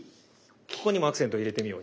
ここにもアクセントを入れてみよう。